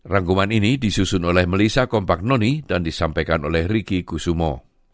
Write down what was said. rangkuman ini disusun oleh melissa kompak noni dan disampaikan oleh riki kusumo